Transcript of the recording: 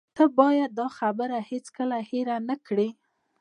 ته باید دا خبره هیڅکله هیره نه کړې